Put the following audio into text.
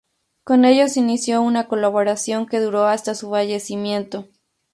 Con ellos inició una colaboración que duró hasta su fallecimiento.